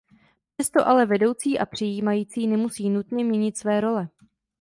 Přesto ale vedoucí a přijímající nemusí nutně měnit své role.